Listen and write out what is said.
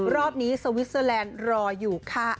รอบนี้สวิสเตอร์แลนด์รออยู่ค่ะ